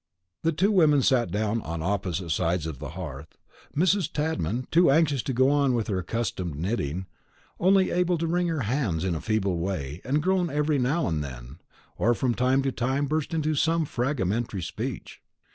The two women sat down on opposite sides of the hearth; Mrs. Tadman, too anxious to go on with her accustomed knitting, only able to wring her hands in a feeble way, and groan every now and then, or from time to time burst into some fragmentary speech.